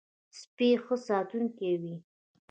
سپي ښه ساتونکی وي.